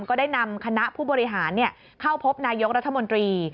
ก็ได้นำคณะผู้บริหารเข้าพบนายกรัฐมนตรี